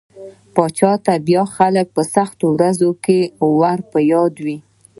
پاچا ته بيا خلک په سختو ورځو کې ور په ياد وي.